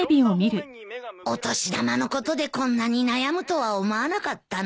お年玉のことでこんなに悩むとは思わなかったな。